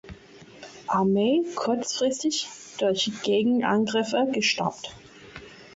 Armee kurzfristig durch Gegenangriffe gestoppt.